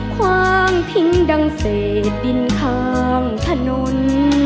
ความทิ้งดังเศษดินข้างถนน